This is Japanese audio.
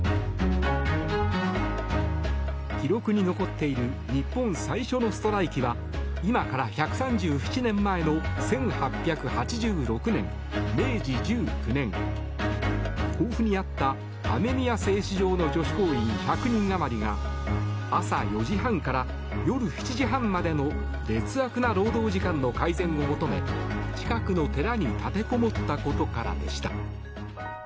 記録に残っている日本最初のストライキは今から１３７年前の１８８６年明治１９年甲府にあった雨宮製糸場の女子工員１００人余りが朝４時半から夜７時半までの劣悪な労働時間の改善を求め近くの寺に立てこもったことからでした。